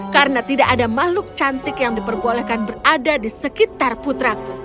karena tidak ada makhluk cantik yang diperbolehkan berada di sekitar putraku